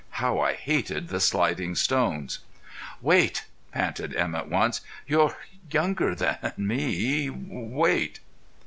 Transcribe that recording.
How I hated the sliding stones! "Wait," panted Emett once. "You're younger than me wait!"